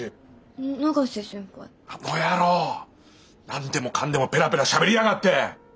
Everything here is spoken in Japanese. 何でもかんでもペラペラしゃべりやがって！